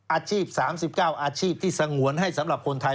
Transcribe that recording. อาชีพ๓๙อาชีพที่สงวนให้สำหรับคนไทย